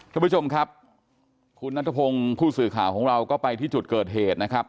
คุณผู้ชมครับคุณนัทพงศ์ผู้สื่อข่าวของเราก็ไปที่จุดเกิดเหตุนะครับ